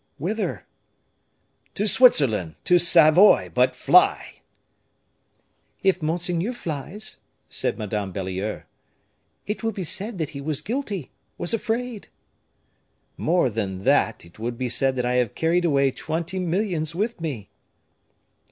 "Whither?" "To Switzerland to Savoy but fly!" "If monseigneur flies," said Madame Belliere, "it will be said that he was guilty was afraid." "More than that, it will be said that I have carried away twenty millions with me."